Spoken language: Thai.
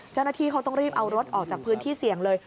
เจ้าหน้าที่เขาต้องรีบเอารถออกจากพื้นที่เสี่ยงเลย